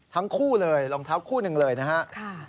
ทั้งคู่เลยรองเท้าคู่หนึ่งเลยนะครับ